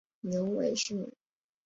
牛尾树